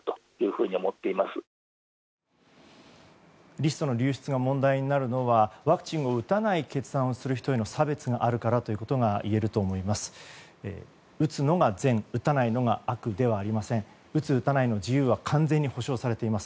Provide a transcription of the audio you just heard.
リストの流出が問題になるのはワクチンを打たない決断をする人への差別があるからということがいえると思います。